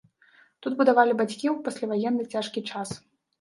Тут будавалі бацькі ў пасляваенны цяжкі час.